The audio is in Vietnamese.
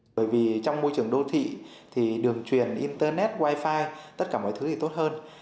bởi vì trong môi trường đô thị thì đường truyền internet wifi tất cả mọi thứ thì tốt hơn